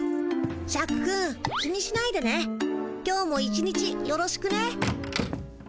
シャクくん気にしないでね今日も一日よろしくね。